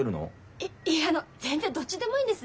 いいえあの全然どっちでもいいんです。